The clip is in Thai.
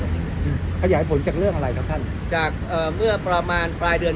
ขยายผลจากเรื่องอะไรครับท่านจากเอ่อเมื่อประมาณปลายเดือน